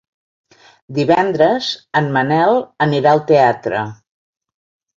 Divendres en Manel anirà al teatre.